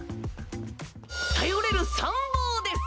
頼れる参謀です！